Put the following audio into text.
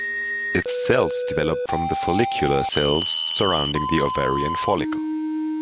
Its cells develop from the follicular cells surrounding the ovarian follicle.